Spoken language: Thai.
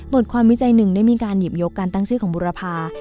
ทความวิจัยหนึ่งได้มีการหยิบยกการตั้งชื่อของบุรพา